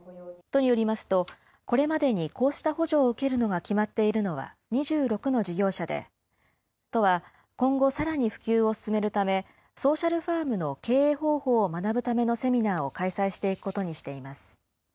都によりますと、これまでにこうした補助を受けるのが決まっているのは２６の事業者で、都は、今後さらに普及を進めるため、ソーシャルファームの経営方法を学ぶためのセミナーを開催していくことにしています。